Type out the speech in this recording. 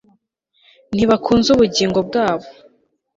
ntibakunze ubugingo bwabo